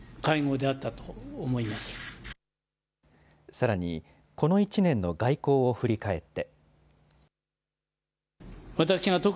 さらに、この１年の外交を振り返って。